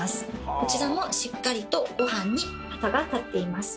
こちらもしっかりとごはんに旗が立っています。